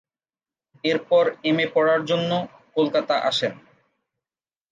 এরপর এমএ পড়ার জন্য কলকাতা আসেন।